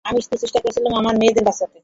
আমি শুধু চেষ্টা করছিলাম আমার মেয়েদের বাঁচাতে।